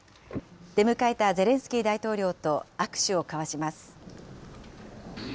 出迎えたゼレンスキー大統領と握手を交わします。